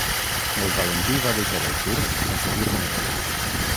El Valentí va deixar el curs sense dir-me res.